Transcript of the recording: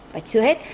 và chưa hết